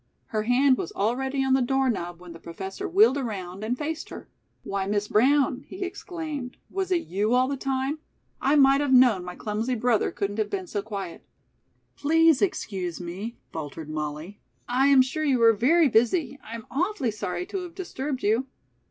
Her hand was already on the doorknob when the Professor wheeled around and faced her. "Why, Miss Brown," he exclaimed, "was it you all the time? I might have known my clumsy brother couldn't have been so quiet." "Please excuse me," faltered Molly. "I am sure you are very busy. I am awfully sorry to have disturbed you."